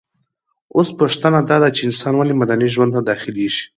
اوس پوښتنه داده چي انسان ولي مدني ژوند ته داخليږي؟